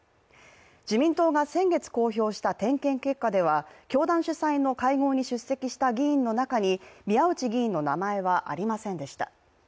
自民党が先月公表した点検結果では、教団主催の会合に出席した議員の中に宮内議員の名前はありませんでした。